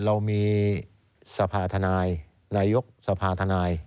เรามีสภาธนายนายกสภาธนาย